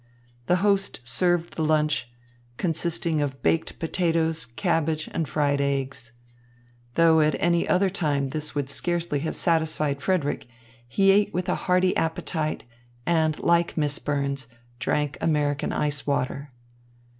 The host served the lunch, consisting of baked potatoes, cabbage and fried eggs. Though at any other time this would scarcely have satisfied Frederick, he ate with a hearty appetite and, like Miss Burns, drank American ice water.